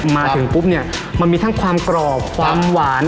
มาถึงปุ๊บเนี่ยมันมีทั้งความกรอบความหวาน